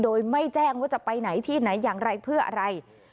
โดยไม่แจ้งว่าจะไปไหนที่ไหนอย่างไรเพื่ออะไร